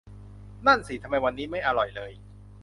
นั่นสิ ทำไมวันนี้ไม่อร่อยเลย